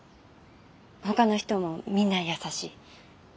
ほかの人もみんな優しい。